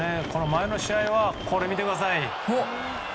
前の試合はこれ見てください。